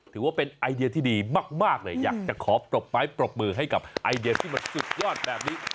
ถือว่าเป็นไอเดียที่ดีมากเลยอยากจะขอปรบไม้ปรบมือให้กับไอเดียที่มันสุดยอดแบบนี้